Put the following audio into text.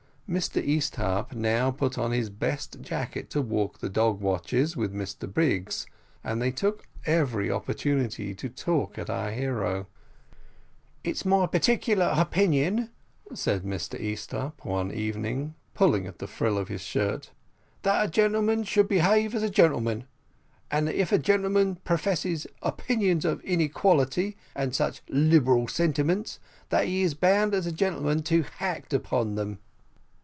Mr Easthupp now put on his best jacket to walk the dog watches with Mr Biggs, and they took every opportunity to talk at our hero. "It's my peculiar hopinion," said Mr Easthupp, one evening, pulling at the frill of his shirt, "that a gentleman should behave as a gentleman, and that if a gentleman professes hopinions of hequality and such liberal sentiments, that he is bound as a gentlemen to hact up to them."